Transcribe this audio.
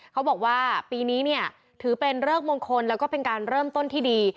เขาบอกว่าปีนี้เนี่ยถือเป็นเริกมงคลแล้วก็เป็นการเริ่มต้นที่ดี